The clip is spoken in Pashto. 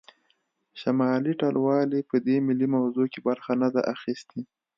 شمالي ټلوالې په دې ملي موضوع کې برخه نه ده اخیستې